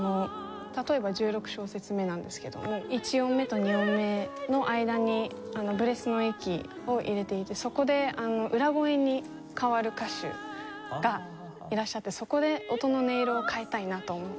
例えば１６小節目なんですけども１音目と２音目の間にブレスの息を入れていてそこで裏声に変わる歌手がいらっしゃってそこで音の音色を変えたいなと思ったり。